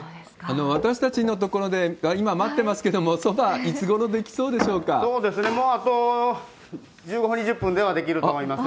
私たちのところで、今、待ってますけども、そば、もうあと１５分、２０分では出来ると思います。